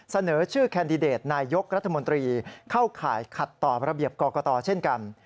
เสนอชื่อแคนดิเดตนายกรัฐมนตรีเข้าข่ายขัดต่อระเบียบกรกตเช่นกัน